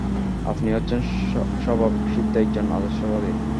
আপনি হচ্ছেন স্বভাবসিদ্ধ একজন আদর্শবাদী!